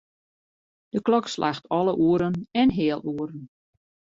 De klok slacht alle oeren en healoeren.